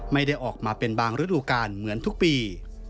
ไม่ได้ออกมาเป็นบางฤดูการเหมือนทุกปี